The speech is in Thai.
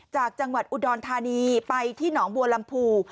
จากจังหวัดอุดรธานีไปที่หนองบัวลำพู